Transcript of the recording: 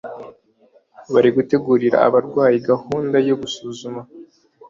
barigutegurira abarwayi gahunda yo gusuzumwa